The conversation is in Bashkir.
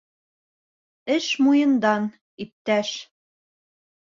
Эш муйындан, иптәш!